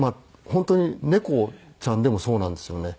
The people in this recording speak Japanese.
本当に猫ちゃんでもそうなんですよね。